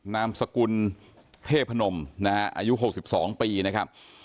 นามสกุลเทพนมนะฮะอายุ๖๒ปีนะครับ